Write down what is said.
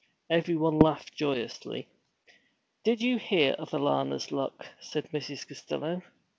Everyone laughed joyously. 'Did you hear of Alanna's luck?' said Mrs. Costello.